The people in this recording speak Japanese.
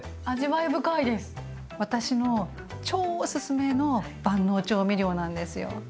私の超おすすめの万能調味料なんですよ。